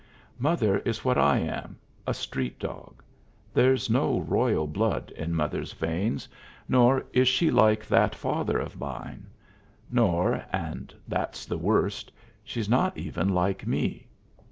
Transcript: Mother is what I am, a street dog; there's no royal blood in mother's veins, nor is she like that father of mine, nor and that's the worst she's not even like me.